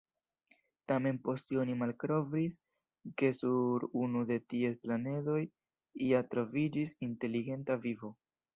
Tamen poste oni malkovris, ke sur unu de ties planedoj ja troviĝis inteligenta vivo.